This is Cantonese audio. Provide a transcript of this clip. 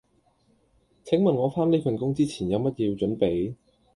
請問我返呢份工之前有乜嘢要準備？